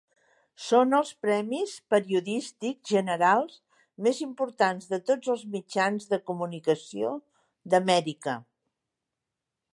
Són els premis periodístics generals més importants de tots els mitjans de comunicació d'Amèrica.